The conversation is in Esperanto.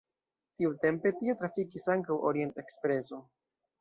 Tiutempe tie trafikis ankaŭ Orient-ekspreso.